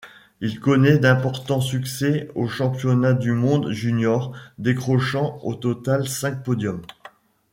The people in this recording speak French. Il connait d'importants succès aux Championnats du monde junior, décrochant au total cinq podiums.